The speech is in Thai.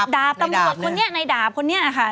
ดาบตำรวจคนนี้ในดาบคนนี้ค่ะ